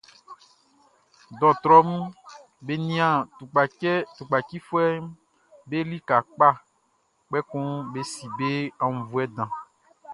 Dɔɔtrɔʼm be nian tukpacifuɛʼm be lika kpa, kpɛkun be si be aunnvuɛ dan.